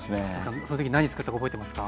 その時何つくったか覚えてますか？